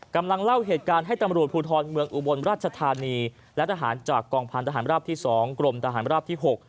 กำลังเล่าเหตุการณ์ให้ตำรวจภูทรเมืองอุบลราชธานีและทหารจากกองพันธหารราบที่๒กรมทหารราบที่๖